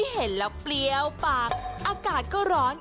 เห็นแล้วเปรี้ยวปากอากาศก็ร้อน